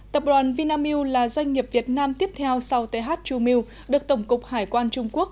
tập đoàn vinamilk là doanh nghiệp việt nam tiếp theo sau th chum meal được tổng cục hải quan trung quốc